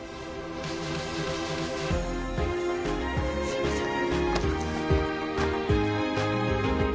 すいません。